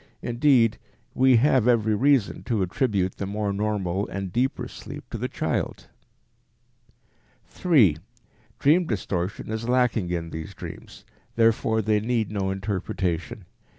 Indeed, we have every reason to attribute the more normal and deeper sleep to the child. 3. Dream distortion is lacking in these dreams, therefore they need no interpretation.